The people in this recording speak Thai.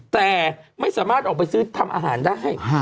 แต่ไม่สามารถออกไปซื้อทำอาหารได้